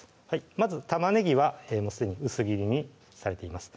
まず玉ねぎはすでに薄切りにされています